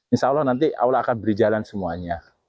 insya allah nanti allah akan berjalan semuanya